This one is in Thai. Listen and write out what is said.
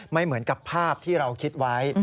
ไม่เหมือนกับภาพที่เราคิดไว้